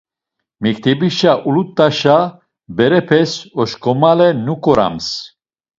Mektebişe ulut̆aşa berepes oşǩomale nuǩorams.